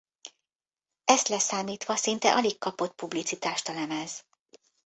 Ezt leszámítva szinte alig kapott publicitást a lemez.